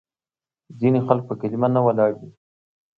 ځینې خلک په کلیمه نه ولاړ وي.